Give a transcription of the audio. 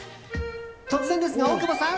突然ですが、大久保さん！